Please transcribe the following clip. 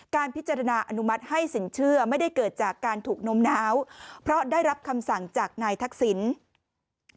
การพิจารณาอนุมัติให้สินเชื่อไม่ได้เกิดจากการถูกนมน้าวเพราะได้รับคำสั่งจากนายทักษิณ